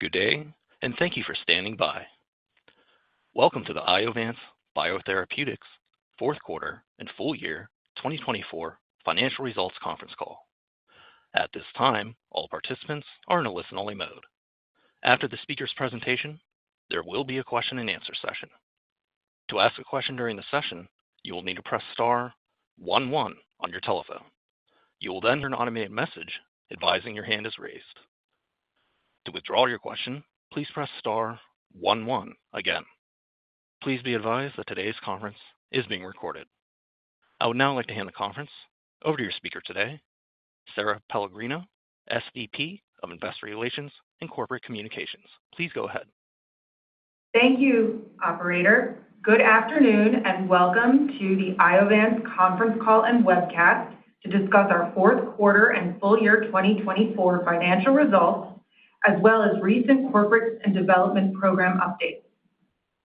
Good day, and thank you for standing by. Welcome to the Iovance Biotherapeutics fourth quarter and full year 2024 financial results conference call. At this time, all participants are in a listen-only mode. After the speaker's presentation, there will be a question-and-answer session. To ask a question during the session, you will need to press star 11 on your telephone. You will then hear an automated message advising your hand is raised. To withdraw your question, please press star 11 again. Please be advised that today's conference is being recorded. I would now like to hand the conference over to your speaker today, Sara Pellegrino, SVP of Investor Relations and Corporate Communications. Please go ahead. Thank you, Operator. Good afternoon and welcome to the Iovance conference call and webcast to discuss our fourth quarter and full year 2024 financial results, as well as recent corporate and development program updates.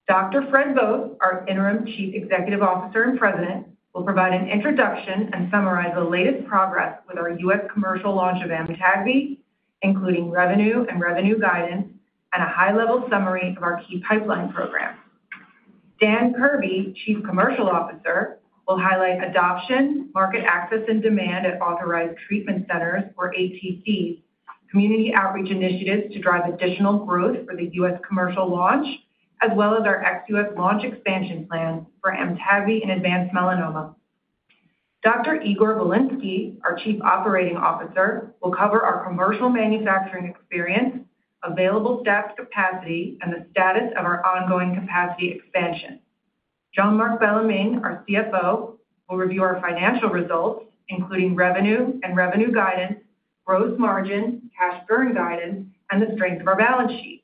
Dr. Fred Vogt, our Interim Chief Executive Officer and President, will provide an introduction and summarize the latest progress with our U.S. commercial launch of Amtagvi, including revenue and revenue guidance, and a high-level summary of our key pipeline program. Dan Kirby, Chief Commercial Officer, will highlight adoption, market access, and demand at authorized treatment centers, or ATCs, community outreach initiatives to drive additional growth for the U.S. commercial launch, as well as our ex-US launch expansion plan for Amtagvi and advanced melanoma. Dr. Igor Bilinsky, our Chief Operating Officer, will cover our commercial manufacturing experience, available staff capacity, and the status of our ongoing capacity expansion. Jean-Marc Bellemin, our CFO, will review our financial results, including revenue and revenue guidance, gross margin, cash burn guidance, and the strength of our balance sheet.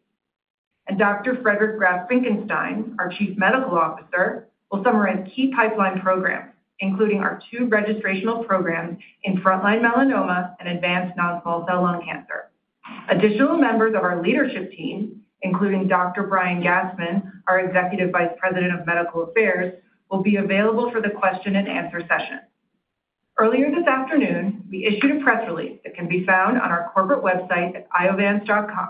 Dr. Friedrich Graf Finckenstein, our Chief Medical Officer, will summarize key pipeline programs, including our two registrational programs in frontline melanoma and advanced non-small cell lung cancer. Additional members of our leadership team, including Dr. Brian Gastman, our Executive Vice President of Medical Affairs, will be available for the question-and-answer session. Earlier this afternoon, we issued a press release that can be found on our corporate website at iovance.com.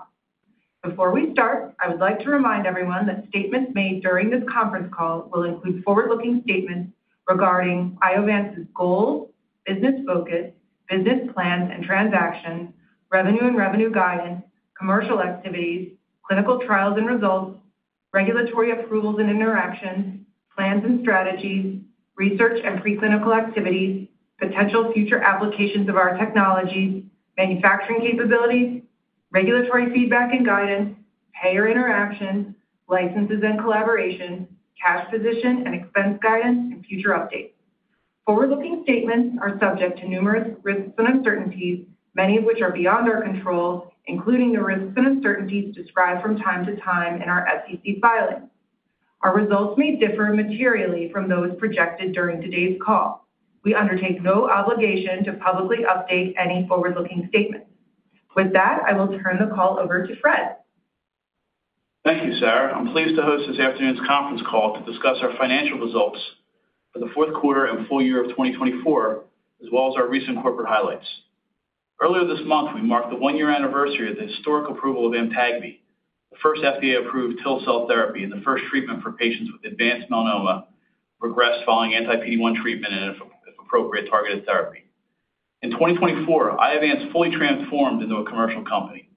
Before we start, I would like to remind everyone that statements made during this conference call will include forward-looking statements regarding Iovance's goals, business focus, business plans and transactions, revenue and revenue guidance, commercial activities, clinical trials and results, regulatory approvals and interactions, plans and strategies, research and preclinical activities, potential future applications of our technologies, manufacturing capabilities, regulatory feedback and guidance, payer interactions, licenses and collaboration, cash position and expense guidance, and future updates. Forward-looking statements are subject to numerous risks and uncertainties, many of which are beyond our control, including the risks and uncertainties described from time to time in our SEC filings. Our results may differ materially from those projected during today's call. We undertake no obligation to publicly update any forward-looking statements. With that, I will turn the call over to Fred. Thank you, Sara. I'm pleased to host this afternoon's conference call to discuss our financial results for the fourth quarter and full year of 2024, as well as our recent corporate highlights. Earlier this month, we marked the one-year anniversary of the historic approval of Amtagvi, the first FDA-approved TIL cell therapy and the first treatment for patients with advanced melanoma progressed following anti-PD-1 treatment and, if appropriate, targeted therapy. In 2024, Iovance fully transformed into a commercial company.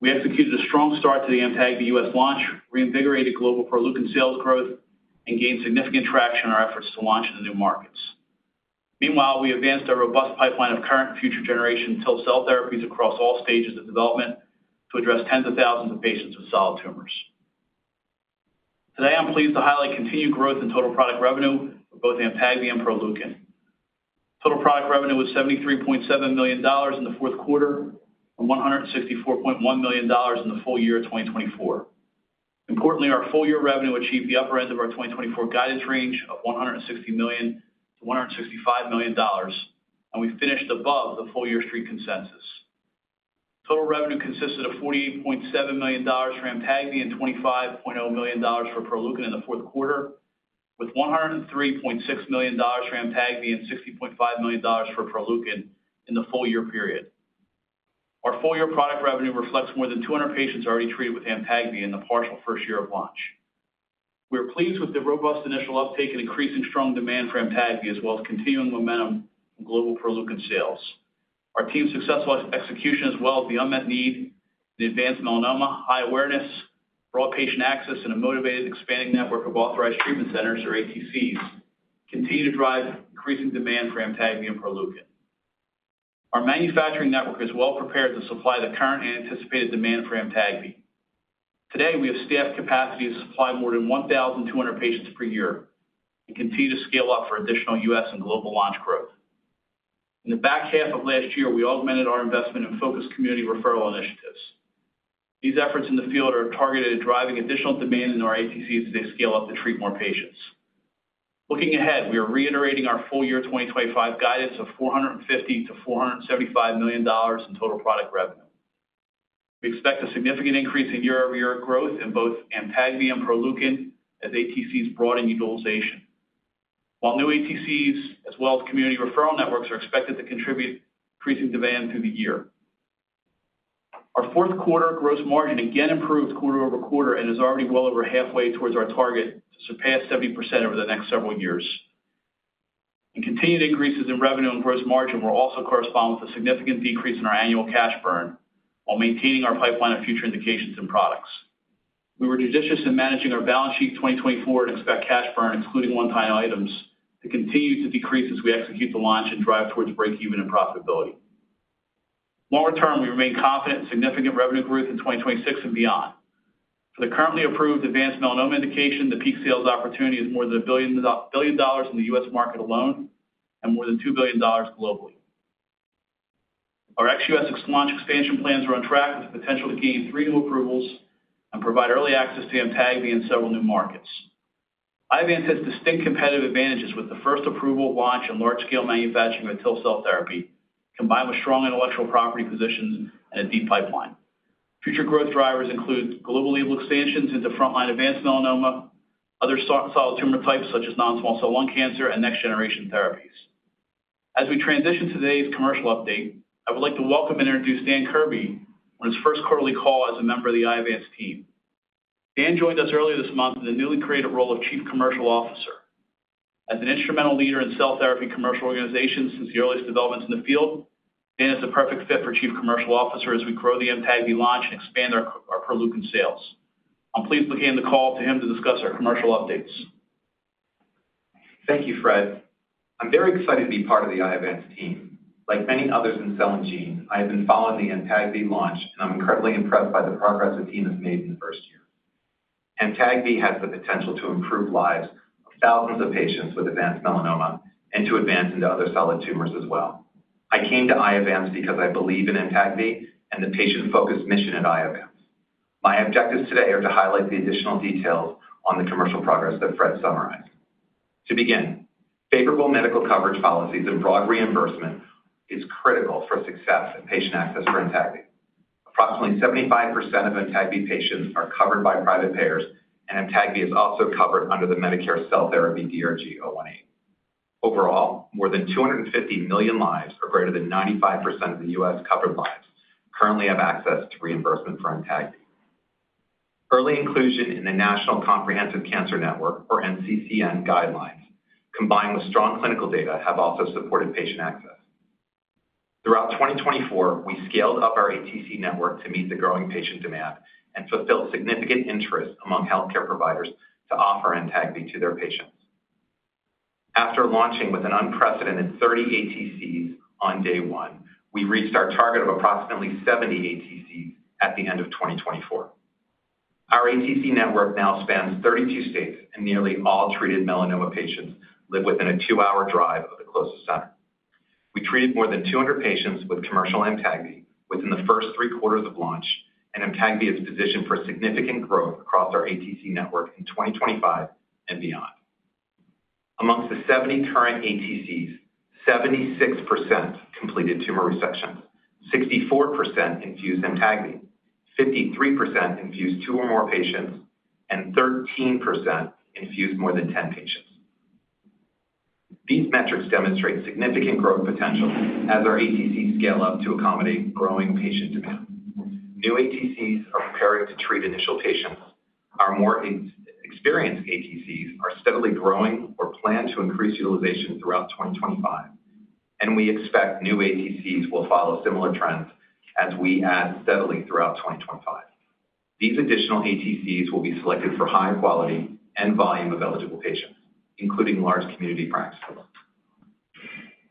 We executed a strong start to the Amtagvi U.S. launch, reinvigorated global Proleukin sales growth, and gained significant traction in our efforts to launch in the new markets. Meanwhile, we advanced a robust pipeline of current and future-generation TIL cell therapies across all stages of development to address tens of thousands of patients with solid tumors. Today, I'm pleased to highlight continued growth in total product revenue for both Amtagvi and Proleukin. Total product revenue was $73.7 million in the fourth quarter and $164.1 million in the full year of 2024. Importantly, our full-year revenue achieved the upper end of our 2024 guidance range of $160 million-$165 million, and we finished above the full-year Street consensus. Total revenue consisted of $48.7 million for Amtagvi and $25.0 million for Proleukin in the fourth quarter, with $103.6 million for Amtagvi and $60.5 million for Proleukin in the full-year period. Our full-year product revenue reflects more than 200 patients already treated with Amtagvi in the partial first year of launch. We are pleased with the robust initial uptake and increasing strong demand for Amtagvi, as well as continuing momentum from global Proleukin sales. Our team's successful execution, as well as the unmet need in advanced melanoma, high awareness, broad patient access, and a motivated expanding network of authorized treatment centers, or ATCs, continue to drive increasing demand for Amtagvi and Proleukin. Our manufacturing network is well prepared to supply the current and anticipated demand for Amtagvi. Today, we have staff capacity to supply more than 1,200 patients per year and continue to scale up for additional U.S. and global launch growth. In the back half of last year, we augmented our investment and focused community referral initiatives. These efforts in the field are targeted at driving additional demand in our ATCs as they scale up to treat more patients. Looking ahead, we are reiterating our full-year 2025 guidance of $450-$475 million in total product revenue. We expect a significant increase in year-over-year growth in both Amtagvi and Proleukin as ATCs broaden utilization, while new ATCs, as well as community referral networks, are expected to contribute increasing demand through the year. Our fourth quarter gross margin again improved quarter over quarter and is already well over halfway towards our target to surpass 70% over the next several years. Continued increases in revenue and gross margin will also correspond with a significant decrease in our annual cash burn while maintaining our pipeline of future indications and products. We were judicious in managing our balance sheet in 2024 and expect cash burn, including one-time items, to continue to decrease as we execute the launch and drive towards break-even and profitability. Longer term, we remain confident in significant revenue growth in 2026 and beyond. For the currently approved advanced melanoma indication, the peak sales opportunity is more than $1 billion in the U.S. market alone and more than $2 billion globally. Our ex-US launch expansion plans are on track with the potential to gain three new approvals and provide early access to Amtagvi and several new markets. Iovance has distinct competitive advantages with the first approval, launch, and large-scale manufacturing of TIL cell therapy, combined with strong intellectual property positions and a deep pipeline. Future growth drivers include global legal expansions into frontline advanced melanoma, other solid tumor types such as non-small cell lung cancer, and next-generation therapies. As we transition to today's commercial update, I would like to welcome and introduce Dan Kirby on his first quarterly call as a member of the Iovance team. Dan joined us earlier this month in a newly created role of Chief Commercial Officer. As an instrumental leader in cell therapy commercial organizations since the earliest developments in the field, Dan is a perfect fit for Chief Commercial Officer as we grow the Amtagvi launch and expand our Proleukin sales. I'm pleased to hand the call to him to discuss our commercial updates. Thank you, Fred. I'm very excited to be part of the Iovance team. Like many others in Cell and Gene, I have been following the Amtagvi launch, and I'm incredibly impressed by the progress the team has made in the first year. Amtagvi has the potential to improve lives of thousands of patients with advanced melanoma and to advance into other solid tumors as well. I came to Iovance because I believe in Amtagvi and the patient-focused mission at Iovance. My objectives today are to highlight the additional details on the commercial progress that Fred summarized. To begin, favorable medical coverage policies and broad reimbursement are critical for success and patient access for Amtagvi. Approximately 75% of Amtagvi patients are covered by private payers, and Amtagvi is also covered under the Medicare Cell Therapy DRG 018. Overall, more than 250 million lives, or greater than 95% of the U.S. Covered lives currently have access to reimbursement for Amtagvi. Early inclusion in the National Comprehensive Cancer Network, or NCCN, guidelines, combined with strong clinical data, has also supported patient access. Throughout 2024, we scaled up our ATC network to meet the growing patient demand and fulfilled significant interest among healthcare providers to offer Amtagvi to their patients. After launching with an unprecedented 30 ATCs on day one, we reached our target of approximately 70 ATCs at the end of 2024. Our ATC network now spans 32 states, and nearly all treated melanoma patients live within a two-hour drive of the closest center. We treated more than 200 patients with commercial Amtagvi within the first three quarters of launch, and Amtagvi is positioned for significant growth across our ATC network in 2025 and beyond. Among the 70 current ATCs, 76% completed tumor resections, 64% infused Amtagvi, 53% infused two or more patients, and 13% infused more than 10 patients. These metrics demonstrate significant growth potential as our ATCs scale up to accommodate growing patient demand. New ATCs are preparing to treat initial patients. Our more experienced ATCs are steadily growing or planned to increase utilization throughout 2025, and we expect new ATCs will follow similar trends as we add steadily throughout 2025. These additional ATCs will be selected for high quality and volume of eligible patients, including large community practices.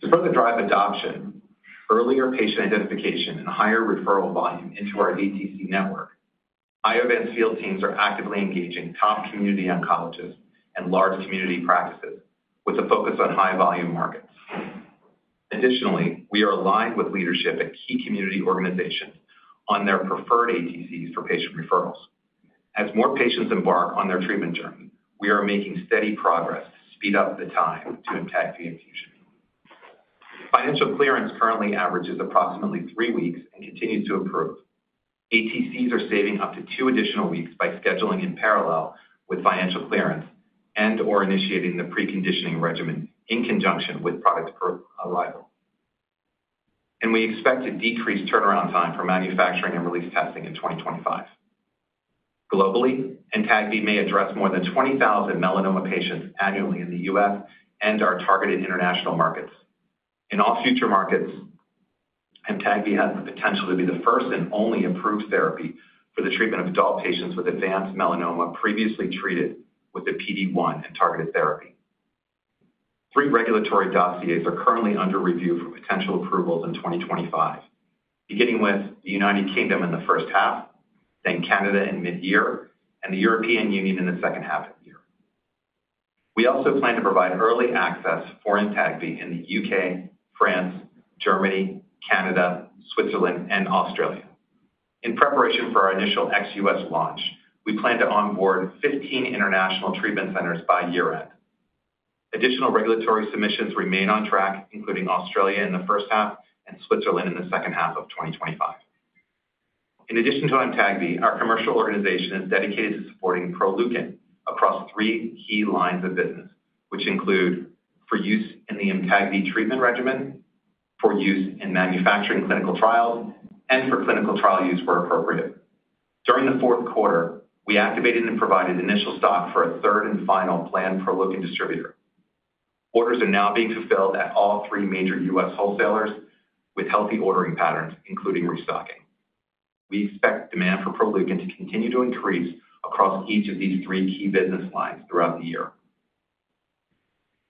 To further drive adoption, earlier patient identification and higher referral volume into our ATC network, Iovance field teams are actively engaging top community oncologists and large community practices with a focus on high-volume markets. Additionally, we are aligned with leadership at key community organizations on their preferred ATCs for patient referrals. As more patients embark on their treatment journey, we are making steady progress to speed up the time to Amtagvi infusion. Financial clearance currently averages approximately three weeks and continues to improve. ATCs are saving up to two additional weeks by scheduling in parallel with financial clearance and/or initiating the preconditioning regimen in conjunction with product arrival, and we expect a decreased turnaround time for manufacturing and release testing in 2025. Globally, Amtagvi may address more than 20,000 melanoma patients annually in the U.S. and our targeted international markets. In all future markets, Amtagvi has the potential to be the first and only approved therapy for the treatment of adult patients with advanced melanoma previously treated with a PD-1 and targeted therapy. Three regulatory dossiers are currently under review for potential approvals in 2025, beginning with the United Kingdom in the first half, then Canada in mid-year, and the European Union in the second half of the year. We also plan to provide early access for Amtagvi in the UK, France, Germany, Canada, Switzerland, and Australia. In preparation for our initial XUS launch, we plan to onboard 15 international treatment centers by year-end. Additional regulatory submissions remain on track, including Australia in the first half and Switzerland in the second half of 2025. In addition to Amtagvi, our commercial organization is dedicated to supporting Proleukin across three key lines of business, which include for use in the Amtagvi treatment regimen, for use in manufacturing clinical trials, and for clinical trial use where appropriate. During the fourth quarter, we activated and provided initial stock for a third and final planned Proleukin distributor. Orders are now being fulfilled at all three major U.S. wholesalers with healthy ordering patterns, including restocking. We expect demand for Proleukin to continue to increase across each of these three key business lines throughout the year.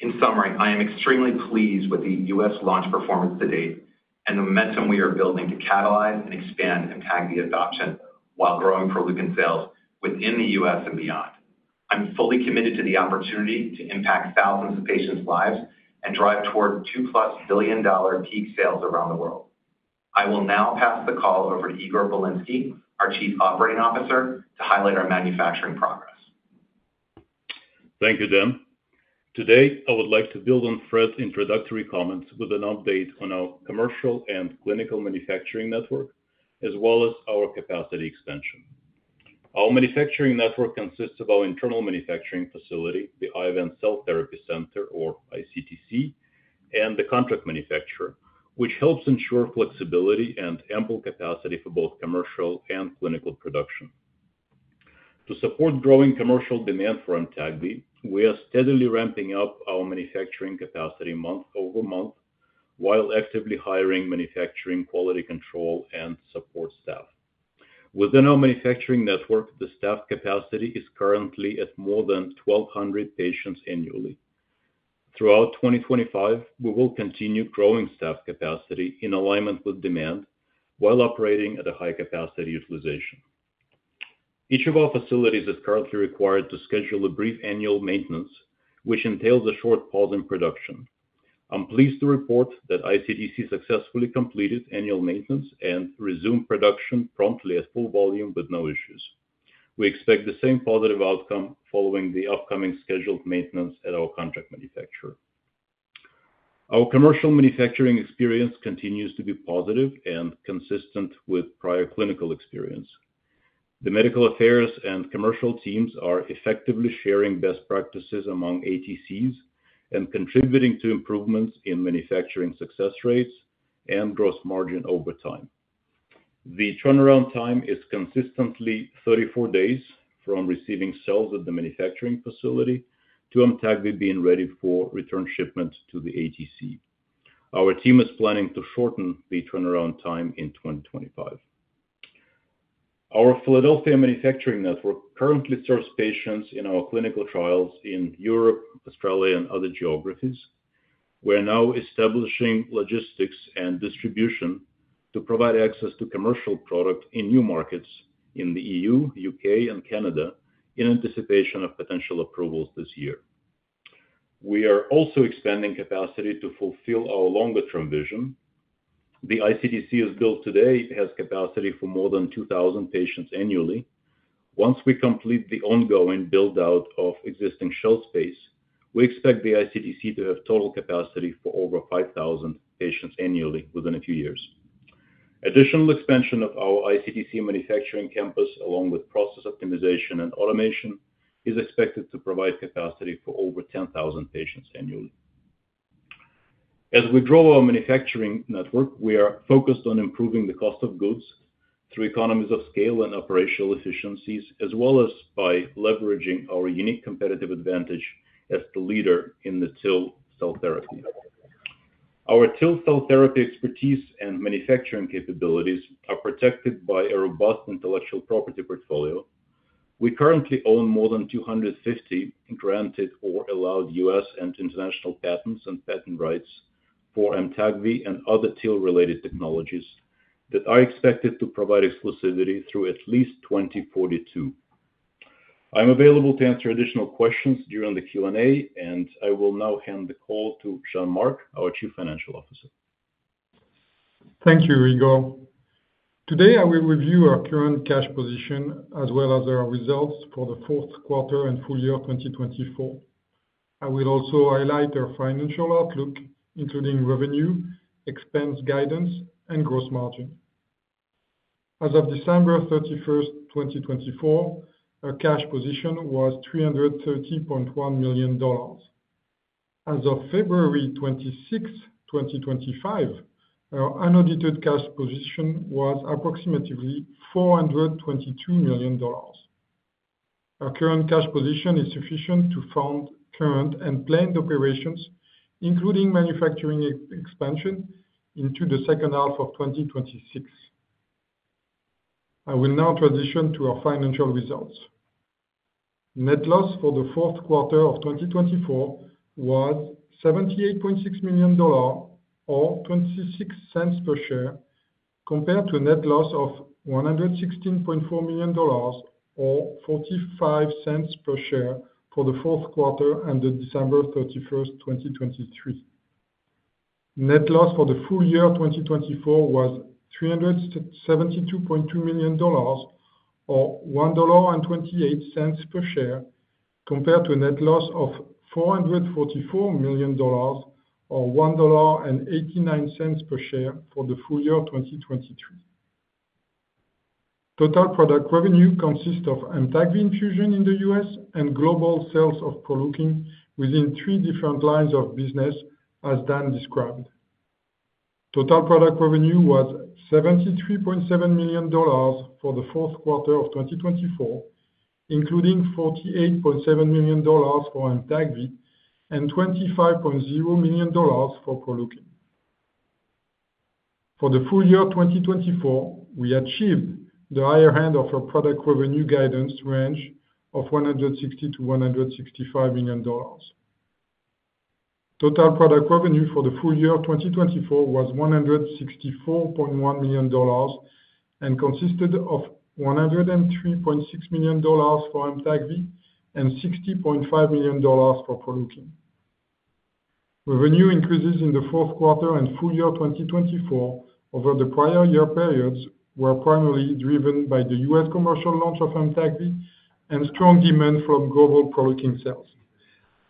In summary, I am extremely pleased with the U.S. launch performance to date and the momentum we are building to catalyze and expand Amtagvi adoption while growing Proleukin sales within the U.S. and beyond. I'm fully committed to the opportunity to impact thousands of patients' lives and drive toward $2+ billion peak sales around the world. I will now pass the call over to Igor Bilinsky, our Chief Operating Officer, to highlight our manufacturing progress. Thank you, Dan. Today, I would like to build on Fred's introductory comments with an update on our commercial and clinical manufacturing network, as well as our capacity expansion. Our manufacturing network consists of our internal manufacturing facility, the Iovance Cell Therapy Center, or ICTC, and the contract manufacturer, which helps ensure flexibility and ample capacity for both commercial and clinical production. To support growing commercial demand for Amtagvi, we are steadily ramping up our manufacturing capacity month over month while actively hiring manufacturing quality control and support staff. Within our manufacturing network, the staff capacity is currently at more than 1,200 patients annually. Throughout 2025, we will continue growing staff capacity in alignment with demand while operating at a high capacity utilization. Each of our facilities is currently required to schedule a brief annual maintenance, which entails a short pause in production. I'm pleased to report that ICTC successfully completed annual maintenance and resumed production promptly at full volume with no issues. We expect the same positive outcome following the upcoming scheduled maintenance at our contract manufacturer. Our commercial manufacturing experience continues to be positive and consistent with prior clinical experience. The medical affairs and commercial teams are effectively sharing best practices among ATCs and contributing to improvements in manufacturing success rates and gross margin over time. The turnaround time is consistently 34 days from receiving cells at the manufacturing facility to Amtagvi being ready for return shipment to the ATC. Our team is planning to shorten the turnaround time in 2025. Our Philadelphia manufacturing network currently serves patients in our clinical trials in Europe, Australia, and other geographies. We are now establishing logistics and distribution to provide access to commercial product in new markets in the EU, UK, and Canada in anticipation of potential approvals this year. We are also expanding capacity to fulfill our longer-term vision. The ICTC is built today and has capacity for more than 2,000 patients annually. Once we complete the ongoing build-out of existing shelf space, we expect the ICTC to have total capacity for over 5,000 patients annually within a few years. Additional expansion of our ICTC manufacturing campus, along with process optimization and automation, is expected to provide capacity for over 10,000 patients annually. As we grow our manufacturing network, we are focused on improving the cost of goods through economies of scale and operational efficiencies, as well as by leveraging our unique competitive advantage as the leader in the TIL cell therapy. Our TIL cell therapy expertise and manufacturing capabilities are protected by a robust intellectual property portfolio. We currently own more than 250 granted or allowed U.S. and international patents and patent rights for Amtagvi and other TIL-related technologies that are expected to provide exclusivity through at least 2042. I'm available to answer additional questions during the Q&A, and I will now hand the call to Jean-Marc, our Chief Financial Officer. Thank you, Igor. Today, I will review our current cash position as well as our results for the fourth quarter and full year 2024. I will also highlight our financial outlook, including revenue, expense guidance, and gross margin. As of December 31, 2024, our cash position was $330.1 million. As of February 26, 2025, our unaudited cash position was approximately $422 million. Our current cash position is sufficient to fund current and planned operations, including manufacturing expansion into the second half of 2026. I will now transition to our financial results. Net loss for the fourth quarter of 2024 was $78.6 million, or $0.26 per share, compared to a net loss of $116.4 million, or $0.45 per share for the fourth quarter and December 31, 2023. Net loss for the full year 2024 was $372.2 million, or $1.28 per share, compared to a net loss of $444 million, or $1.89 per share for the full year 2023. Total product revenue consists of Amtagvi infusion in the U.S. and global sales of Proleukin within three different lines of business, as Dan described. Total product revenue was $73.7 million for the fourth quarter of 2024, including $48.7 million for Amtagvi and $25.0 million for Proleukin. For the full year 2024, we achieved the higher end of our product revenue guidance range of $160-$165 million. Total product revenue for the full year 2024 was $164.1 million and consisted of $103.6 million for Amtagvi and $60.5 million for Proleukin. Revenue increases in the fourth quarter and full year 2024 over the prior year periods were primarily driven by the U.S. commercial launch of Amtagvi and strong demand from global Proleukin sales.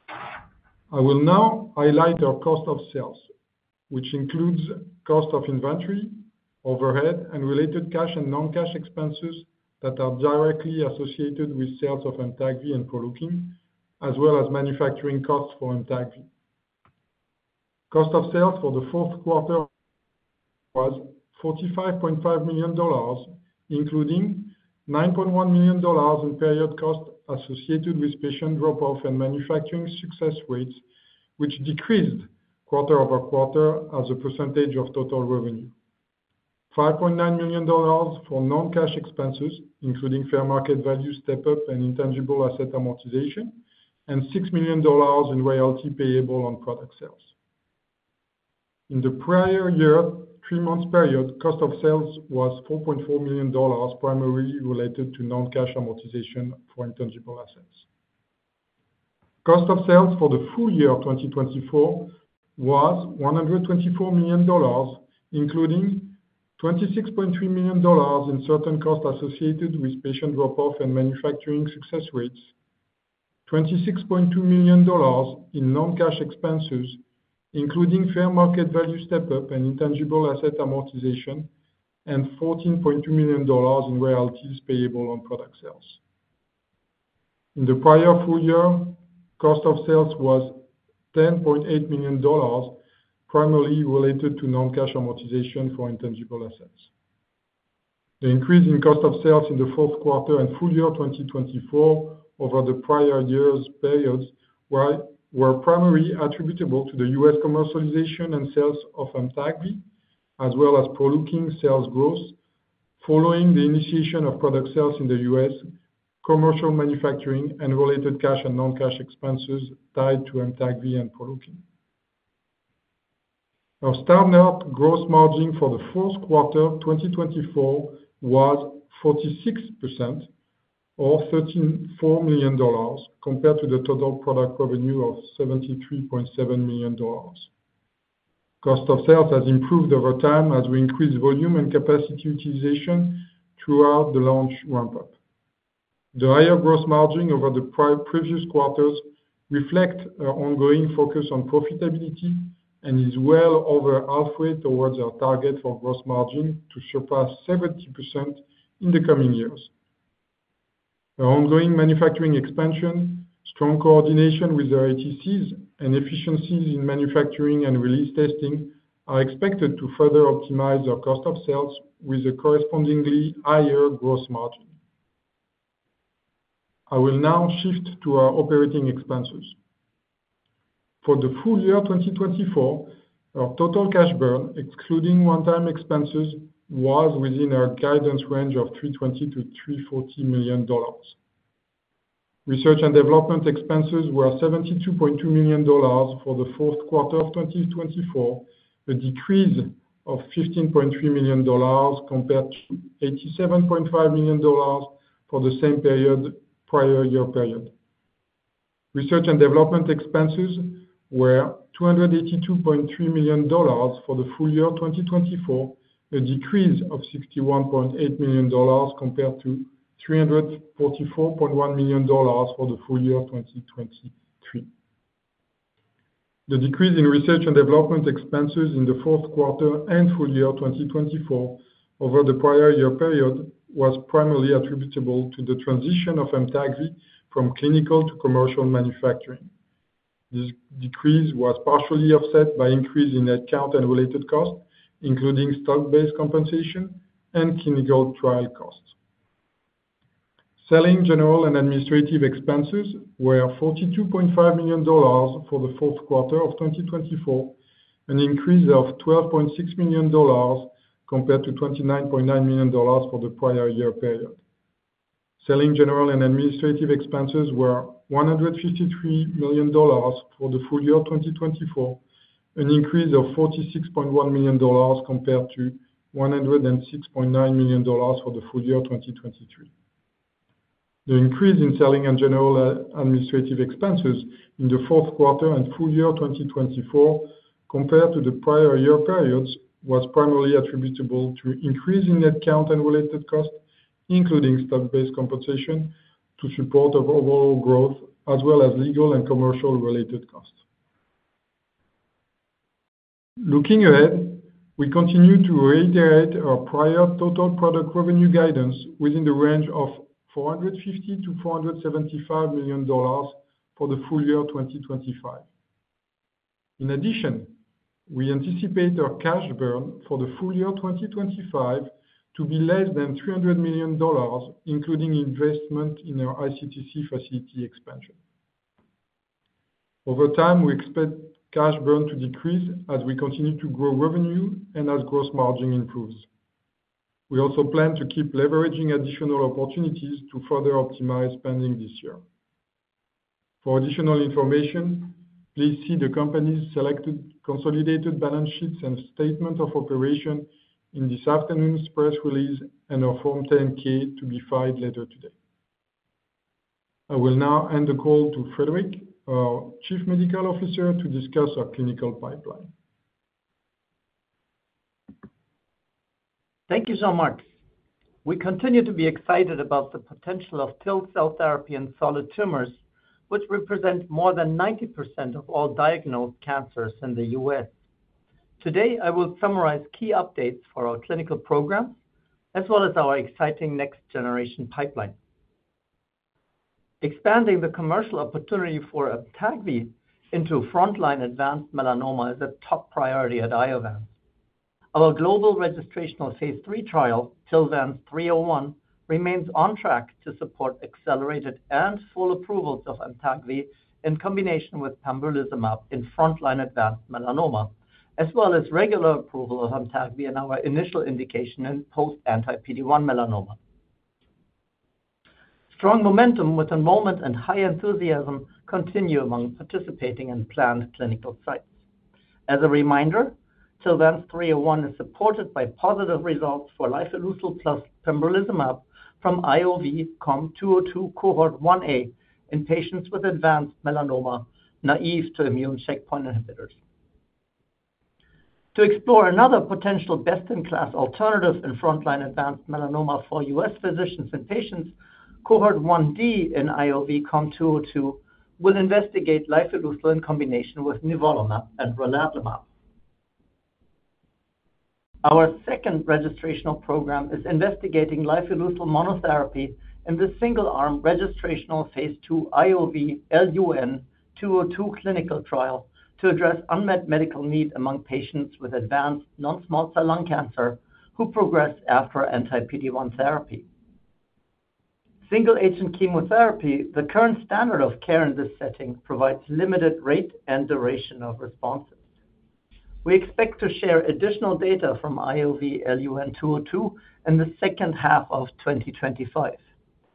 I will now highlight our cost of sales, which includes cost of inventory, overhead, and related cash and non-cash expenses that are directly associated with sales of Amtagvi and Proleukin, as well as manufacturing costs for Amtagvi. Cost of sales for the fourth quarter was $45.5 million, including $9.1 million in period costs associated with patient drop-off and manufacturing success rates, which decreased quarter over quarter as a percentage of total revenue. $5.9 million for non-cash expenses, including fair market value step-up and intangible asset amortization, and $6 million in royalty payable on product sales. In the prior year three-month period, cost of sales was $4.4 million, primarily related to non-cash amortization for intangible assets. Cost of sales for the full year 2024 was $124 million, including $26.3 million in certain costs associated with patient drop-off and manufacturing success rates, $26.2 million in non-cash expenses, including fair market value step-up and intangible asset amortization, and $14.2 million in royalties payable on product sales. In the prior full year, cost of sales was $10.8 million, primarily related to non-cash amortization for intangible assets. The increase in cost of sales in the fourth quarter and full year 2024 over the prior year's periods were primarily attributable to the U.S. commercialization and sales of Amtagvi, as well as Proleukin sales growth following the initiation of product sales in the U.S., commercial manufacturing, and related cash and non-cash expenses tied to Amtagvi and Proleukin. Our start-up gross margin for the fourth quarter 2024 was 46%, or $34 million, compared to the total product revenue of $73.7 million. Cost of sales has improved over time as we increased volume and capacity utilization throughout the launch ramp-up. The higher gross margin over the previous quarters reflects our ongoing focus on profitability and is well over halfway towards our target for gross margin to surpass 70% in the coming years. Our ongoing manufacturing expansion, strong coordination with our ATCs, and efficiencies in manufacturing and release testing are expected to further optimize our cost of sales with a correspondingly higher gross margin. I will now shift to our operating expenses. For the full year 2024, our total cash burn, excluding one-time expenses, was within our guidance range of $320-$340 million. Research and development expenses were $72.2 million for the fourth quarter of 2024, a decrease of $15.3 million compared to $87.5 million for the same period prior year. Research and development expenses were $282.3 million for the full year 2024, a decrease of $61.8 million compared to $344.1 million for the full year 2023. The decrease in research and development expenses in the fourth quarter and full year 2024 over the prior year period was primarily attributable to the transition of Amtagvi from clinical to commercial manufacturing. This decrease was partially offset by an increase in headcount and related costs, including stock-based compensation and clinical trial costs. Selling general and administrative expenses were $42.5 million for the fourth quarter of 2024, an increase of $12.6 million compared to $29.9 million for the prior year period. Selling general and administrative expenses were $153 million for the full year 2024, an increase of $46.1 million compared to $106.9 million for the full year 2023. The increase in selling and general administrative expenses in the fourth quarter and full year 2024 compared to the prior year periods was primarily attributable to an increase in headcount and related costs, including stock-based compensation to support overall growth, as well as legal and commercial related costs. Looking ahead, we continue to reiterate our prior total product revenue guidance within the range of $450-$475 million for the full year 2025. In addition, we anticipate our cash burn for the full year 2025 to be less than $300 million, including investment in our ICTC facility expansion. Over time, we expect cash burn to decrease as we continue to grow revenue and as gross margin improves. We also plan to keep leveraging additional opportunities to further optimize spending this year. For additional information, please see the company's selected consolidated balance sheets and statement of operations in this afternoon's press release and our Form 10-K to be filed later today. I will now hand the call to Frederick, our Chief Medical Officer, to discuss our clinical pipeline. Thank you, Jean-Marc. We continue to be excited about the potential of TIL cell therapy in solid tumors, which represent more than 90% of all diagnosed cancers in the U.S. Today, I will summarize key updates for our clinical program, as well as our exciting next-generation pipeline. Expanding the commercial opportunity for Amtagvi into frontline advanced melanoma is a top priority at Iovance. Our global registrational phase 3 trial, TILVANS-301, remains on track to support accelerated and full approvals of Amtagvi in combination with pembrolizumab in frontline advanced melanoma, as well as regular approval of Amtagvi in our initial indication in post-anti-PD1 melanoma. Strong momentum with enrollment and high enthusiasm continue among participating and planned clinical sites. As a reminder, TILVANS-301 is supported by positive results for lifileucel plus pembrolizumab from IOV-COM-202 cohort 1A in patients with advanced melanoma naive to immune checkpoint inhibitors. To explore another potential best-in-class alternative in frontline advanced melanoma for U.S. physicians and patients, cohort 1D in IOV-COM-202 will investigate lifileucel in combination with nivolumab and relatlimab. Our second registration program is investigating lifileucel monotherapy in the single-arm registrational phase 2 IOV-LUN-202 clinical trial to address unmet medical need among patients with advanced non-small cell lung cancer who progress after anti-PD-1 therapy. Single-agent chemotherapy, the current standard of care in this setting, provides limited rate and duration of responses. We expect to share additional data from IOV-LUN-202 in the second half of 2025.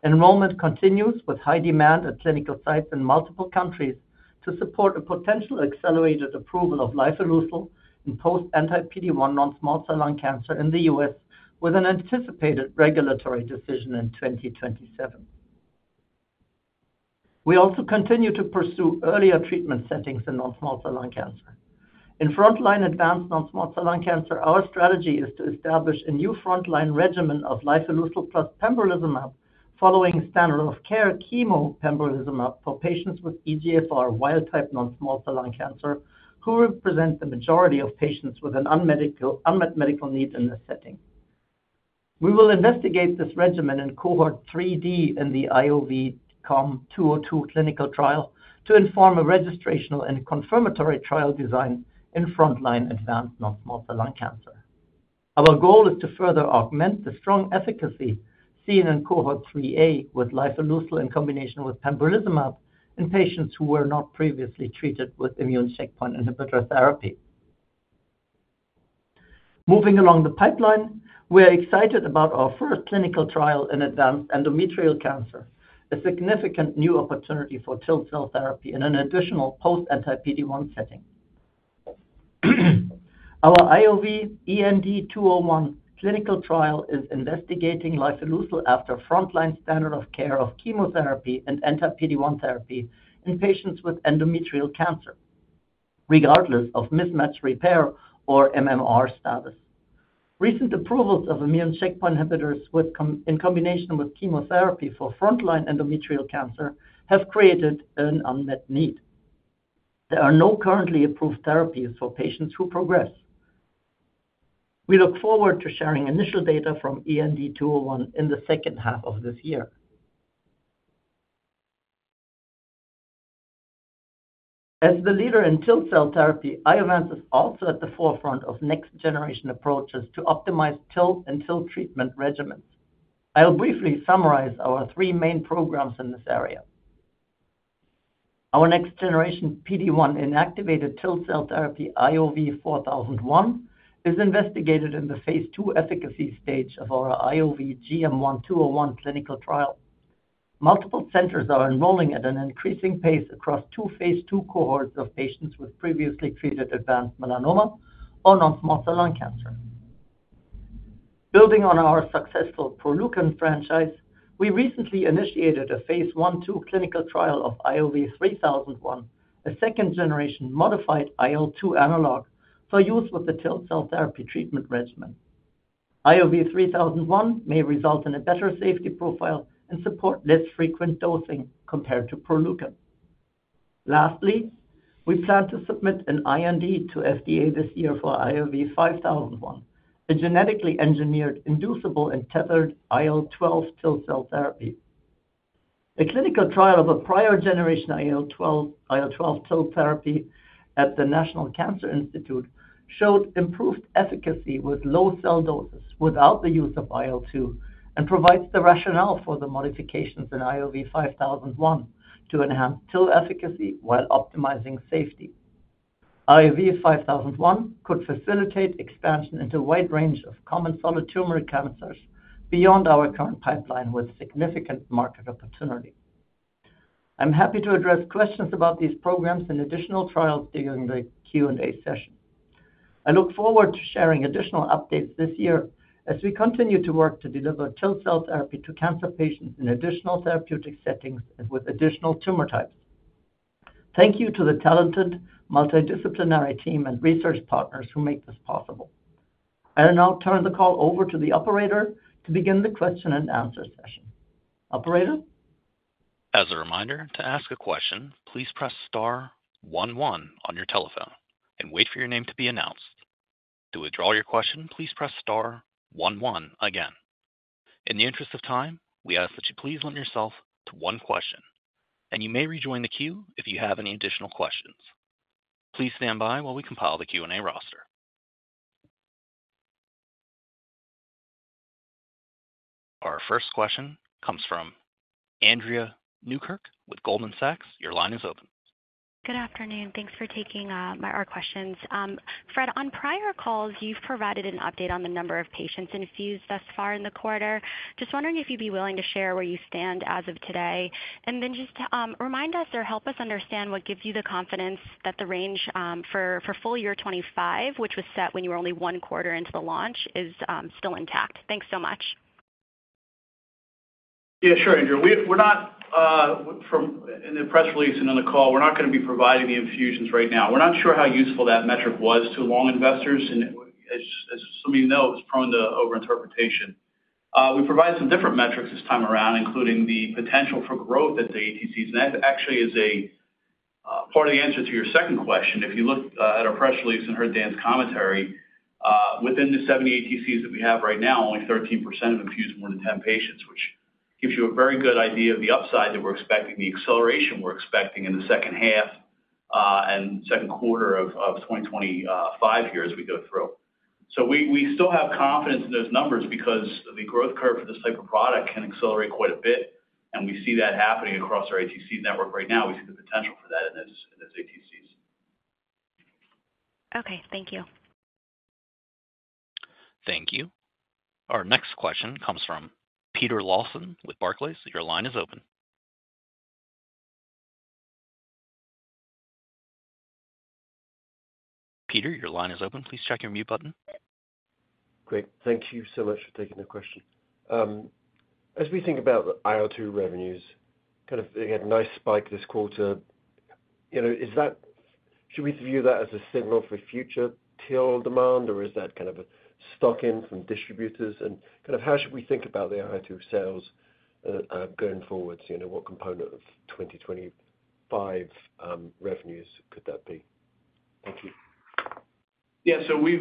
Enrollment continues with high demand at clinical sites in multiple countries to support a potential accelerated approval of lifileucel in post-anti-PD-1 non-small cell lung cancer in the U.S., with an anticipated regulatory decision in 2027. We also continue to pursue earlier treatment settings in non-small cell lung cancer. In frontline advanced non-small cell lung cancer, our strategy is to establish a new frontline regimen of lifileucel plus pembrolizumab, following standard of care chemo pembrolizumab for patients with EGFR wild-type non-small cell lung cancer, who represent the majority of patients with an unmet medical need in this setting. We will investigate this regimen in cohort 3D in the IOV-COM-202 clinical trial to inform a registrational and confirmatory trial design in frontline advanced non-small cell lung cancer. Our goal is to further augment the strong efficacy seen in cohort 3A with lifileucel in combination with pembrolizumab in patients who were not previously treated with immune checkpoint inhibitor therapy. Moving along the pipeline, we are excited about our first clinical trial in advanced endometrial cancer, a significant new opportunity for TIL cell therapy in an additional post-anti-PD1 setting. Our IOV-END-201 clinical trial is investigating lifileucel after frontline standard of care of chemotherapy and anti-PD-1 therapy in patients with endometrial cancer, regardless of mismatch repair or MMR status. Recent approvals of immune checkpoint inhibitors in combination with chemotherapy for frontline endometrial cancer have created an unmet need. There are no currently approved therapies for patients who progress. We look forward to sharing initial data from END-201 in the second half of this year. As the leader in TIL cell therapy, Iovance is also at the forefront of next-generation approaches to optimize TIL and TIL treatment regimens. I'll briefly summarize our three main programs in this area. Our next-generation PD-1 inactivated TIL cell therapy, IOV-4001, is investigated in the phase two efficacy stage of our IOV-GM1-201 clinical trial. Multiple centers are enrolling at an increasing pace across two phase 2 cohorts of patients with previously treated advanced melanoma or non-small cell lung cancer. Building on our successful Proleukin franchise, we recently initiated a phase 1/2 clinical trial of IOV-3001, a second-generation modified IL-2 analog for use with the TIL cell therapy treatment regimen. IOV-3001 may result in a better safety profile and support less frequent dosing compared to Proleukin. Lastly, we plan to submit an IND to FDA this year for IOV-5001, a genetically engineered inducible and tethered IL-12 TIL cell therapy. A clinical trial of a prior generation IL-12 TIL therapy at the National Cancer Institute showed improved efficacy with low cell doses without the use of IL-2 and provides the rationale for the modifications in IOV-5001 to enhance TIL efficacy while optimizing safety. IOV-5001 could facilitate expansion into a wide range of common solid tumor cancers beyond our current pipeline with significant market opportunity. I'm happy to address questions about these programs and additional trials during the Q&A session. I look forward to sharing additional updates this year as we continue to work to deliver TIL cell therapy to cancer patients in additional therapeutic settings and with additional tumor types. Thank you to the talented multidisciplinary team and research partners who make this possible. I'll now turn the call over to the operator to begin the question and answer session. Operator. As a reminder, to ask a question, please press star 11 on your telephone and wait for your name to be announced. To withdraw your question, please press star 11 again. In the interest of time, we ask that you please limit yourself to one question, and you may rejoin the queue if you have any additional questions. Please stand by while we compile the Q&A roster. Our first question comes from Andrea Newkirk with Goldman Sachs. Your line is open. Good afternoon. Thanks for taking our questions. Fred, on prior calls, you've provided an update on the number of patients infused thus far in the quarter. Just wondering if you'd be willing to share where you stand as of today? And then just remind us or help us understand what gives you the confidence that the range for full year 2025, which was set when you were only one quarter into the launch, is still intact. Thanks so much. Yeah, sure, Andrea. We're not, from in the press release and in the call, we're not going to be providing the infusions right now. We're not sure how useful that metric was to long investors. And as some of you know, it was prone to over-interpretation. We provide some different metrics this time around, including the potential for growth at the ATCs. And that actually is a part of the answer to your second question. If you look at our press release and heard Dan's commentary, within the 70 ATCs that we have right now, only 13% have infused more than 10 patients, which gives you a very good idea of the upside that we're expecting, the acceleration we're expecting in the second half and second quarter of 2025 here as we go through. So we still have confidence in those numbers because the growth curve for this type of product can accelerate quite a bit. And we see that happening across our ATC network right now. We see the potential for that in those ATCs. Okay. Thank you. Thank you. Our next question comes from Peter Lawson with Barclays. Your line is open. Peter, your line is open. Please check your mute button. Great. Thank you so much for taking the question. As we think about the IL-2 revenues, kind of they had a nice spike this quarter. Should we view that as a signal for future TIL demand, or is that kind of a stock in from distributors? And kind of how should we think about the IL-2 sales going forwards? What component of 2025 revenues could that be? Thank you. Yeah. So we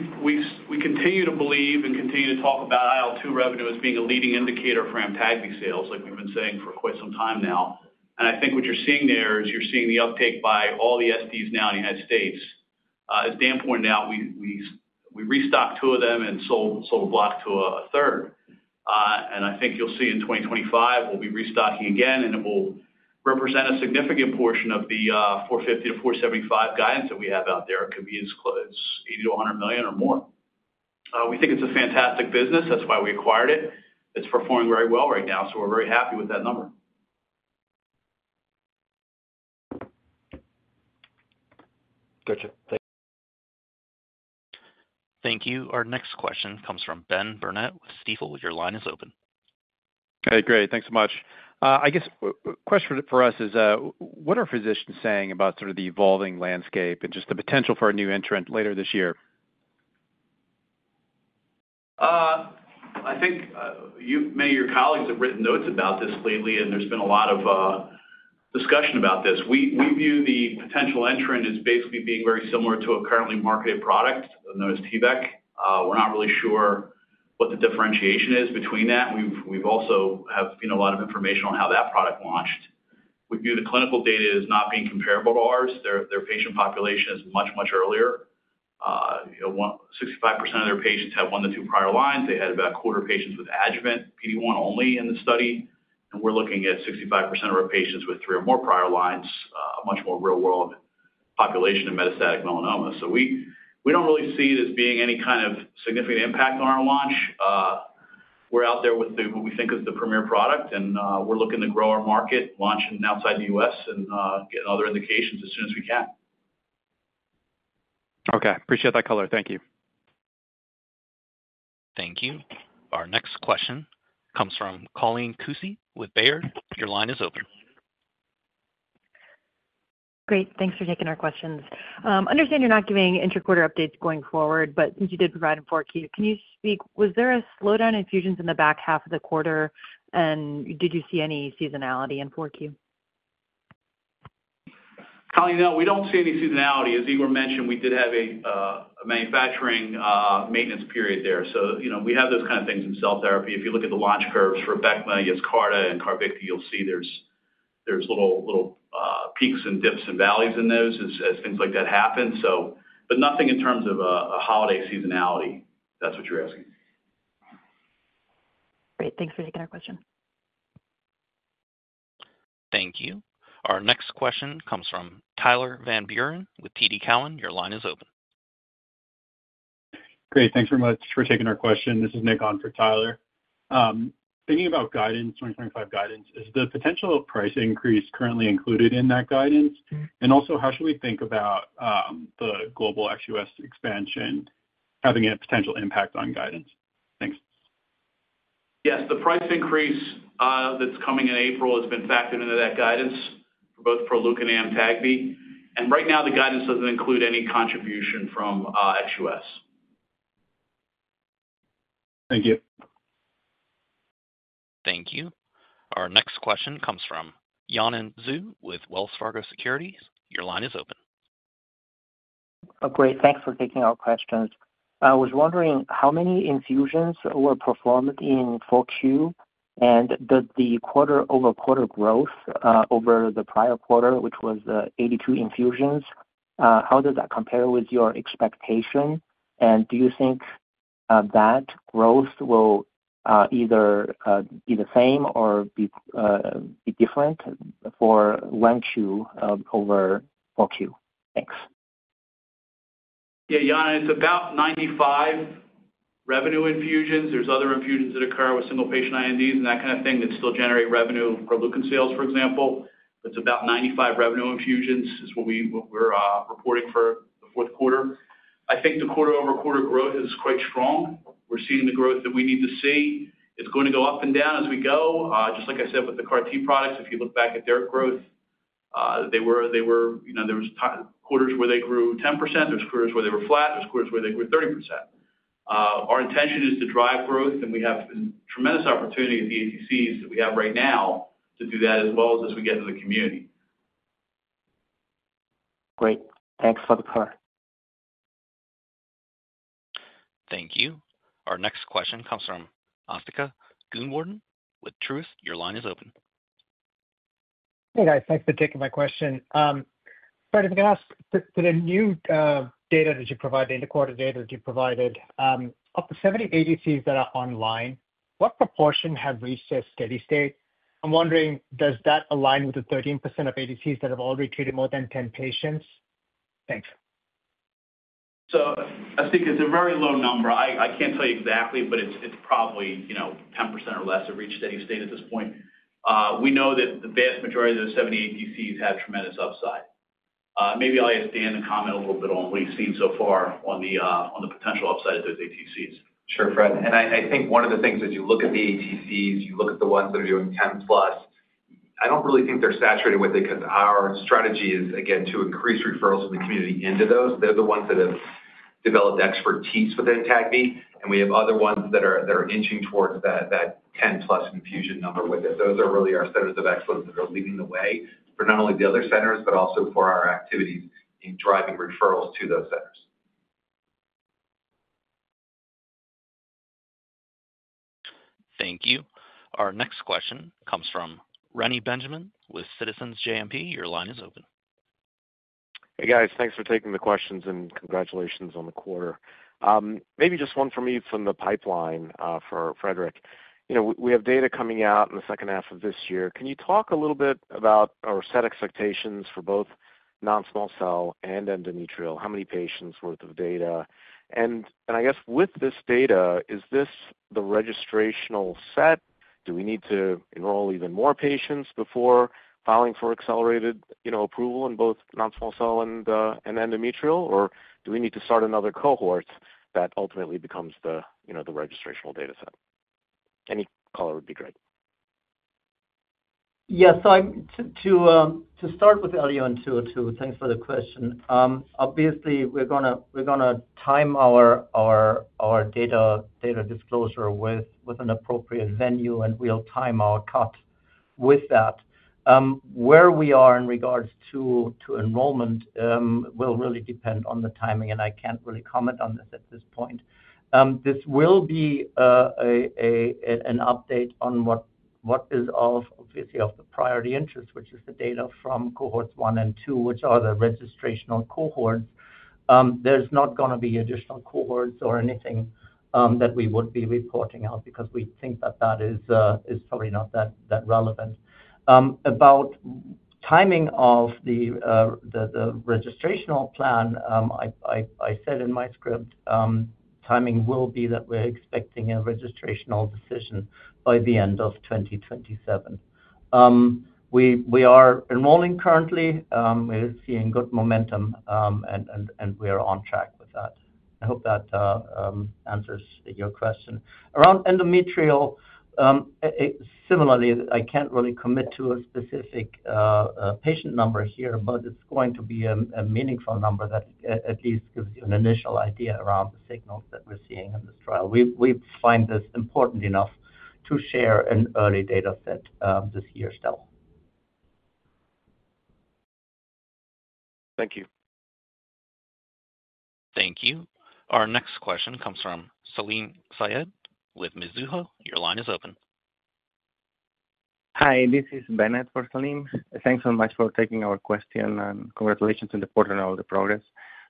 continue to believe and continue to talk about IL-2 revenue as being a leading indicator for Amtagvi sales, like we've been saying for quite some time now. And I think what you're seeing there is you're seeing the uptake by all the SDs now in the United States. As Dan pointed out, we restocked two of them and sold a block to a third. And I think you'll see in 2025, we'll be restocking again, and it will represent a significant portion of the $450-$475 guidance that we have out there. It could be as close as $80-$100 million or more. We think it's a fantastic business. That's why we acquired it. It's performing very well right now. So we're very happy with that number. Gotcha. Thank you. Our next question comes from Ben Burnett with Stifel. Your line is open. Hey, great. Thanks so much. I guess question for us is, what are physicians saying about sort of the evolving landscape and just the potential for a new entrant later this year? I think many of your colleagues have written notes about this lately, and there's been a lot of discussion about this. We view the potential entrant as basically being very similar to a currently marketed product, known as T-VEC. We're not really sure what the differentiation is between that. We've also seen a lot of information on how that product launched. We view the clinical data as not being comparable to ours. Their patient population is much, much earlier. 65% of their patients have one to two prior lines. They had about a quarter of patients with adjuvant PD-1 only in the study. And we're looking at 65% of our patients with three or more prior lines, a much more real-world population of metastatic melanoma. So we don't really see it as being any kind of significant impact on our launch. We're out there with what we think is the premier product, and we're looking to grow our market, launching outside the U.S. and getting other indications as soon as we can. Okay. Appreciate that color. Thank you. Thank you. Our next question comes from Colleen Kusy with Baird. Your line is open. Great. Thanks for taking our questions. Understand you're not giving interquarter updates going forward, but since you did provide them for Q, can you speak? Was there a slowdown in infusions in the back half of the quarter, and did you see any seasonality in 4Q? Colleen, no, we don't see any seasonality. As Igor mentioned, we did have a manufacturing maintenance period there. So we have those kind of things in cell therapy. If you look at the launch curves for Breyanzi, Yescarta, and Carvykti, you'll see there's little peaks and dips and valleys in those as things like that happen. But nothing in terms of a holiday seasonality, if that's what you're asking. Great. Thanks for taking our question. Thank you. Our next question comes from Tyler Van Buren with TD Cowen. Your line is open. Great. Thanks very much for taking our question. This is Nick on for Tyler. Thinking about guidance, 2025 guidance, is the potential price increase currently included in that guidance? And also, how should we think about the global ex-US expansion having a potential impact on guidance? Thanks. Yes. The price increase that's coming in April has been factored into that guidance for both Proleukin and Amtagvi. And right now, the guidance doesn't include any contribution from ex-US. Thank you. Thank you. Our next question comes from Yanan Zhu with Wells Fargo Securities. Your line is open. Oh, great. Thanks for taking our questions. I was wondering how many infusions were performed in Q4, and did the quarter-over-quarter growth over the prior quarter, which was 82 infusions, how does that compare with your expectation? And do you think that growth will either be the same or be different for Q1 over Q4? Thanks. Yeah. Yanan, it's about 95 revenue infusions. There's other infusions that occur with single-patient INDs and that kind of thing that still generate revenue for Proleukin sales, for example. But it's about 95 revenue infusions is what we're reporting for the fourth quarter. I think the quarter-over-quarter growth is quite strong. We're seeing the growth that we need to see. It's going to go up and down as we go. Just like I said with the CAR-T products, if you look back at their growth, there were quarters where they grew 10%. There were quarters where they were flat. There were quarters where they grew 30%. Our intention is to drive growth, and we have tremendous opportunity at the ATCs that we have right now to do that as well as we get in the community. Great. Thanks for the call. Thank you. Our next question comes from Asthika Goonewardene with Truist. Your line is open. Hey, guys. Thanks for taking my question. Fred, if I can ask, to the new data that you provided, the interquarter data that you provided, of the 70 ATCs that are online, what proportion have reached a steady state? I'm wondering, does that align with the 13% of ATCs that have already treated more than 10 patients? Thanks. I think it's a very low number. I can't tell you exactly, but it's probably 10% or less have reached steady state at this point. We know that the vast majority of those 70 ATCs have tremendous upside. Maybe I'll ask Dan to comment a little bit on what he's seen so far on the potential upside of those ATCs. Sure, Fred. I think one of the things is you look at the ATCs, you look at the ones that are doing 10-plus. I don't really think they're saturated with it because our strategy is, again, to increase referrals from the community into those. They're the ones that have developed expertise with Amtagvi. And we have other ones that are inching towards that 10-plus infusion number with it. Those are really our centers of excellence that are leading the way for not only the other centers, but also for our activities in driving referrals to those centers. Thank you. Our next question comes from Reni Benjamin with Citizens JMP. Your line is open. Hey, guys. Thanks for taking the questions and congratulations on the quarter. Maybe just one from me from the pipeline for Frederick. We have data coming out in the second half of this year. Can you talk a little bit about or set expectations for both non-small cell and endometrial? How many patients' worth of data? And I guess with this data, is this the registrational set? Do we need to enroll even more patients before filing for accelerated approval in both non-small cell and endometrial? Or do we need to start another cohort that ultimately becomes the registrational data set? Any color would be great. Yeah. To start with the lung, too, thanks for the question. Obviously, we're going to time our data disclosure with an appropriate venue, and we'll time our cut with that. Where we are in regards to enrollment will really depend on the timing, and I can't really comment on this at this point. This will be an update on what is obviously of the priority interest, which is the data from cohorts one and two, which are the registrational cohorts. There's not going to be additional cohorts or anything that we would be reporting out because we think that that is probably not that relevant. About timing of the registrational plan, I said in my script, timing will be that we're expecting a registrational decision by the end of 2027. We are enrolling currently. We're seeing good momentum, and we are on track with that. I hope that answers your question. Around endometrial, similarly, I can't really commit to a specific patient number here, but it's going to be a meaningful number that at least gives you an initial idea around the signals that we're seeing in this trial. We find this important enough to share an early data set this year still. Thank you. Thank you. Our next question comes from Salim Syed with Mizuho. Your line is open. Hi. This is Bennett for Salim. Thanks so much for taking our question, and congratulations in the quarter and all the progress.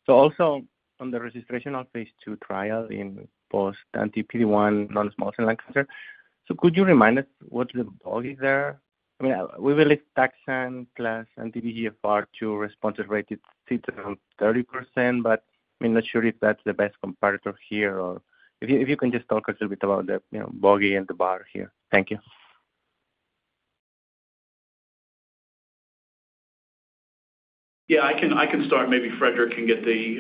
So also on the registrational phase two trial in post-anti-PD1 non-small cell lung cancer, so could you remind us what the bogey there? I mean, we believe Taxane plus anti-EGFR response rate is 30%, but I'm not sure if that's the best comparator here. Or if you can just talk a little bit about the bogey and the bar here. Thank you. Yeah. I can start. Maybe Frederick can get the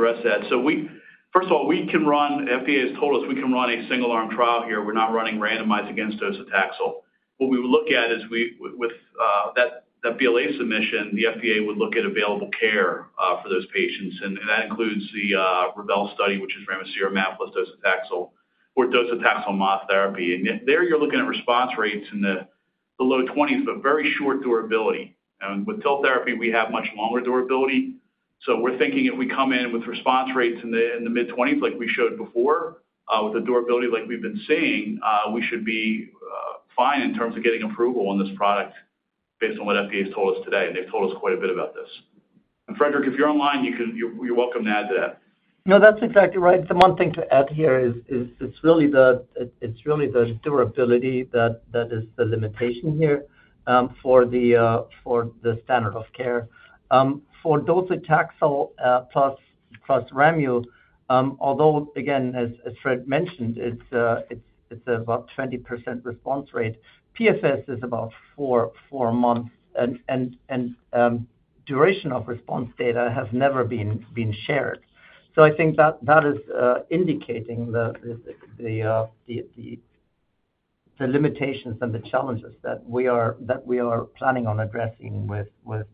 rest of that. So first of all, FDA has told us we can run a single-arm trial here. We're not running randomized against docetaxel. What we would look at is with that BLA submission, the FDA would look at available care for those patients. And that includes the REVEL study, which is ramucirumab plus docetaxel or docetaxel monotherapy. And there you're looking at response rates in the low 20s, but very short durability. And with TIL therapy, we have much longer durability. So we're thinking if we come in with response rates in the mid-20s, like we showed before, with the durability like we've been seeing, we should be fine in terms of getting approval on this product based on what FDA has told us today. They've told us quite a bit about this. Frederick, if you're online, you're welcome to add to that. No, that's exactly right. The one thing to add here is it's really the durability that is the limitation here for the standard of care. For docetaxel plus ramucirumab, although, again, as Fred mentioned, it's about 20% response rate. PFS is about four months, and duration of response data has never been shared. So I think that is indicating the limitations and the challenges that we are planning on addressing with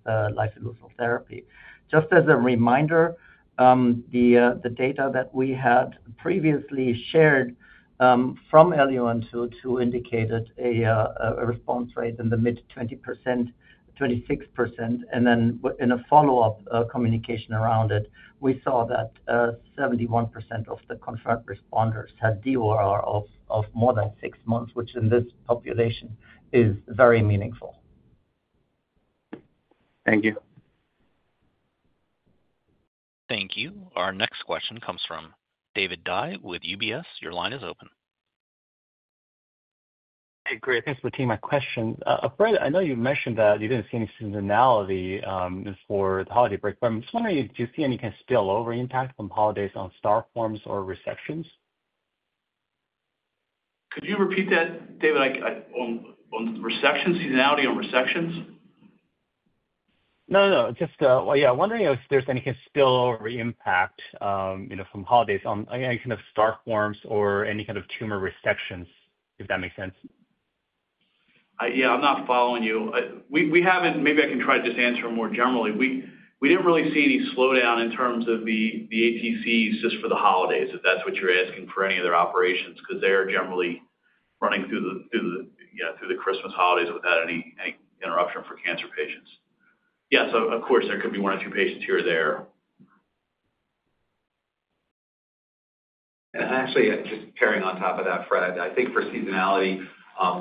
lifileucel therapy. Just as a reminder, the data that we had previously shared from IOV-LUN-202 to indicate a response rate in the mid-20%, 26%, and then in a follow-up communication around it, we saw that 71% of the confirmed responders had DOR of more than six months, which in this population is very meaningful. Thank you. Thank you. Our next question comes from David Dai with UBS. Your line is open. Hey, Greg. Thanks for taking my question. Fred, I know you mentioned that you didn't see any seasonality for the holiday break, but I'm just wondering, do you see any kind of spillover impact from holidays on start forms or resections? Could you repeat that, David? On resections, seasonality on resections? No, no. Just, yeah, wondering if there's any kind of spillover impact from holidays on any kind of start forms or any kind of tumor resections, if that makes sense? Yeah. I'm not following you. Maybe I can try to just answer more generally. We didn't really see any slowdown in terms of the ATCs just for the holidays, if that's what you're asking for any other operations, because they are generally running through the Christmas holidays without any interruption for cancer patients. Yes, of course, there could be one or two patients here or there. And actually, just carrying on top of that, Fred, I think for seasonality,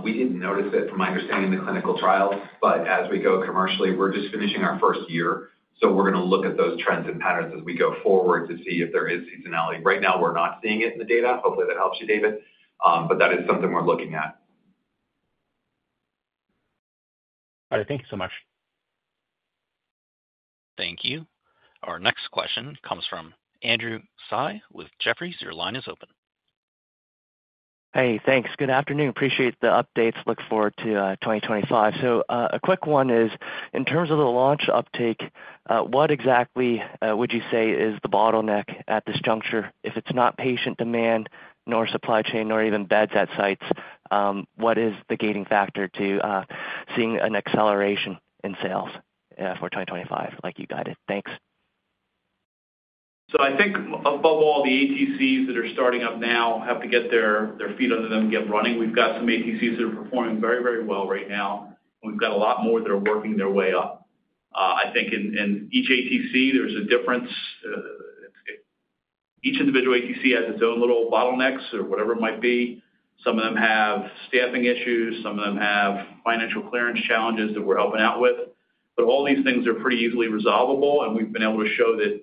we didn't notice it from my understanding in the clinical trials, but as we go commercially, we're just finishing our first year. So we're going to look at those trends and patterns as we go forward to see if there is seasonality. Right now, we're not seeing it in the data. Hopefully, that helps you, David. But that is something we're looking at. All right. Thank you so much. Thank you. Our next question comes from Andrew Tsai with Jefferies. Your line is open. Hey, thanks. Good afternoon. Appreciate the updates. Look forward to 2025. So a quick one is, in terms of the launch uptake, what exactly would you say is the bottleneck at this juncture? If it's not patient demand, nor supply chain, nor even beds at sites, what is the gating factor to seeing an acceleration in sales for 2025 like you guided? Thanks. So, I think above all, the ATCs that are starting up now have to get their feet under them and get running. We've got some ATCs that are performing very, very well right now, and we've got a lot more that are working their way up. I think in each ATC, there's a difference. Each individual ATC has its own little bottlenecks or whatever it might be. Some of them have staffing issues. Some of them have financial clearance challenges that we're helping out with. But all these things are pretty easily resolvable, and we've been able to show that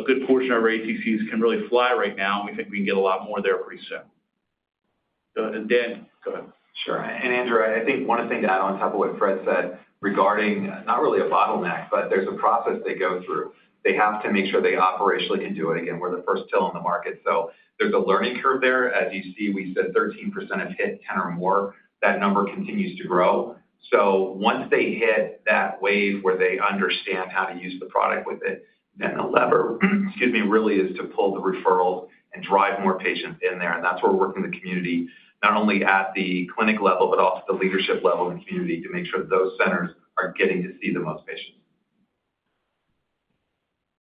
a good portion of our ATCs can really fly right now, and we think we can get a lot more there pretty soon. And Dan, go ahead. Sure. And Andrew, I think one of the things to add on top of what Fred said regarding not really a bottleneck, but there's a process they go through. They have to make sure they operationally can do it again. We're the first TIL on the market. So there's a learning curve there. As you see, we said 13% have hit 10 or more. That number continues to grow. So once they hit that wave where they understand how to use the product with it, then the lever, excuse me, really is to pull the referrals and drive more patients in there. And that's where we're working in the community, not only at the clinic level, but also the leadership level in the community to make sure those centers are getting to see the most patients.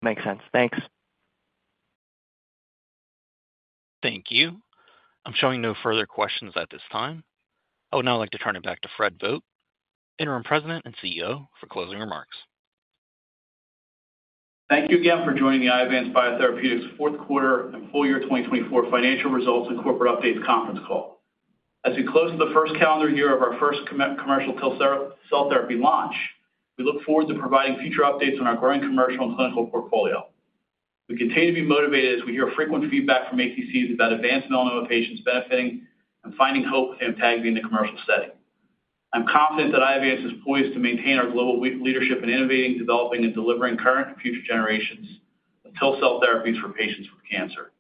Makes sense. Thanks. Thank you. I'm showing no further questions at this time. Oh, now I'd like to turn it back to Fred Vogt, Interim President and CEO, for closing remarks. Thank you again for joining the Iovance Biotherapeutics fourth quarter and full year 2024 financial results and corporate updates conference call. As we close the first calendar year of our first commercial TIL cell therapy launch, we look forward to providing future updates on our growing commercial and clinical portfolio. We continue to be motivated as we hear frequent feedback from ATCs about advanced melanoma patients benefiting and finding hope with Amtagvi in the commercial setting. I'm confident that Iovance is poised to maintain our global leadership in innovating, developing, and delivering current and future generations of TIL cell therapies for patients with cancer.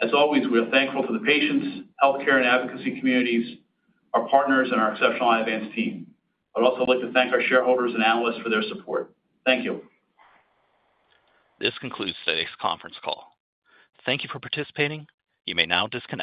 As always, we are thankful to the patients, healthcare, and advocacy communities, our partners, and our exceptional Iovance team. I'd also like to thank our shareholders and analysts for their support. Thank you. This concludes today's conference call. Thank you for participating. You may now disconnect.